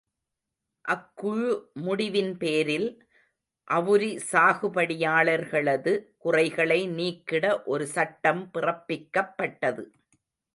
அக்குழு முடிவின் பேரில், அவுரி சாகுபடியாளர்களது குறைகளை நீக்கிட ஒரு சட்டம் பிறப்பிக்கப்பட்டது.